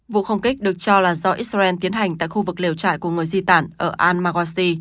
vụ không kích được cho là do israel tiến hành tại khu vực lều trại của người di tản ở al mawasi